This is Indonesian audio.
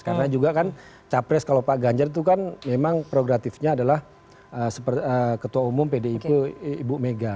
karena juga kan capres kalau pak ganjar itu kan memang progratifnya adalah ketua umum pdip ibu mega